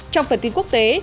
trong phần tin quốc tế